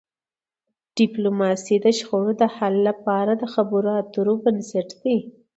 ډيپلوماسي د شخړو د حل لپاره د خبرو اترو بنسټ دی.